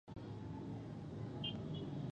ډرامه باید د تجربې زیږنده وي